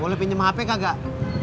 boleh pinjem hp kagak